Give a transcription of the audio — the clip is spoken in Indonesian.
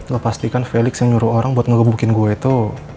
lo pasti kan felix yang nyuruh orang buat ngegebukin gue itu